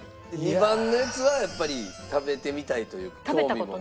２番のやつはやっぱり食べてみたいという興味も。